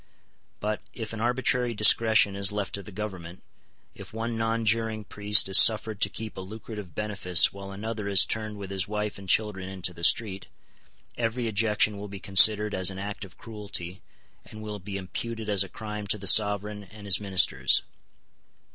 But, if an arbitrary discretion is left to the Government, if one nonjuring priest is suffered to keep a lucrative benefice while another is turned with his wife and children into the street, every ejection will be considered as an act of cruelty, and will be imputed as a crime to the sovereign and his ministers.